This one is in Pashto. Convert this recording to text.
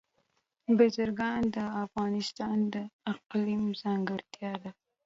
بزګان د افغانستان د اقلیم ځانګړتیا ده.